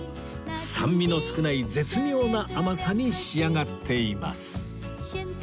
酸味の少ない絶妙な甘さに仕上がっています